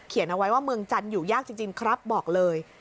เอาไว้ว่าเมืองจันทร์อยู่ยากจริงครับบอกเลย